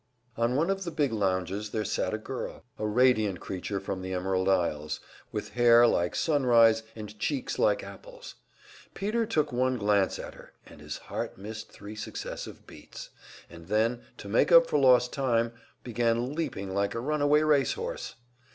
On one of the big lounges there sat a girl, a radiant creature from the Emerald Isles, with hair like sunrise and cheeks like apples. Peter took one glance at her, and his heart missed three successive beats, and then, to make up for lost time, began leaping like a runaway race horse.